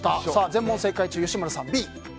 全問正解中、吉村さん、Ｂ。